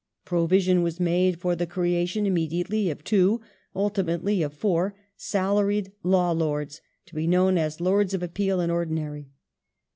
Provision was made for the creation im mediate!)' of two, ultimately of four, salaried I^aw Lords, to be known as Ix)rds of Appeal in Ordinary.